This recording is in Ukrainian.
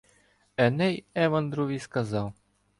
Еней Евандрові сказав: